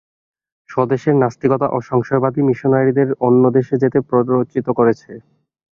স্বদেশের নাস্তিকতা ও সংশয়বাদই মিশনারীদের অন্য দেশে যেতে প্ররোচিত করেছে।